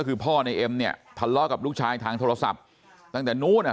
คือพ่อในเอ็มเนี่ยทะเลาะกับลูกชายทางโทรศัพท์ตั้งแต่นู้นอ่ะ